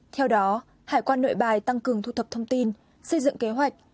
theo đó hải quan nội bài tăng cường thu thập thông tin xây dựng kế hoạch